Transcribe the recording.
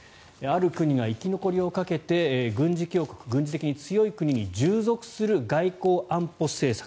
ある国が生き残りをかけて軍事強国、軍事的に強い国に従属する外交・安保政策